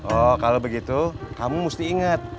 oh kalau begitu kamu mesti ingat